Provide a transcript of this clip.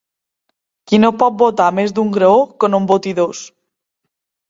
Qui no pot botar més d'un graó, que no en boti dos.